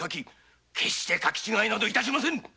決して書き違いなど致しませぬ。